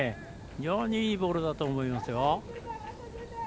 非常にいいボールだと思いますよ。